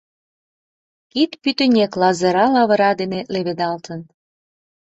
Кид пӱтынек лазыра лавыра дене леведалтын.